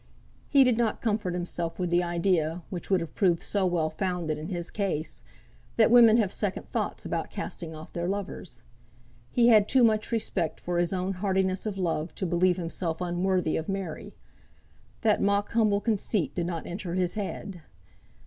He did not comfort himself with the idea, which would have proved so well founded in his case, that women have second thoughts about casting off their lovers. He had too much respect for his own heartiness of love to believe himself unworthy of Mary; that mock humble conceit did not enter his head.